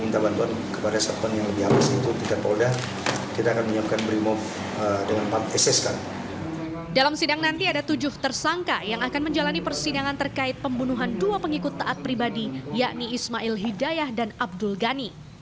dalam sidang nanti ada tujuh tersangka yang akan menjalani persidangan terkait pembunuhan dua pengikut taat pribadi yakni ismail hidayah dan abdul ghani